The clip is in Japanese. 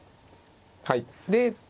はい。